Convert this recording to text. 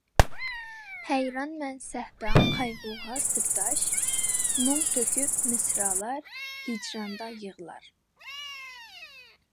ھەيرانمەن سەھىپەڭ قايغۇغا سىرداش، مۇڭ تۆكۈپ مىسرالار ھىجراندا يىغلار.